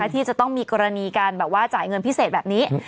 ที่จะต้องมีกรณีการแบบว่าจ่ายเงินพิเศษแบบนี้